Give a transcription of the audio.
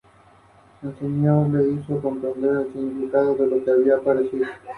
Película homónima de Vicente Aranda.